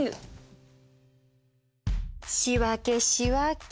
仕分け仕分け。